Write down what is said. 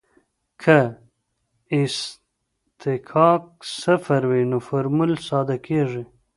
که اصطکاک صفر وي نو فورمول ساده کیږي